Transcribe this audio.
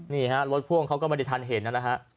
นี่ฮะรถพ่วงเขาก็ไม่ได้ทันเห็นนะฮะ